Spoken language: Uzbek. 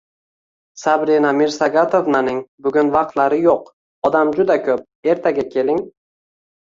Sabrina Mirsagatovnaning bugun vaqtlari yo`q, odam juda ko`p, ertaga keling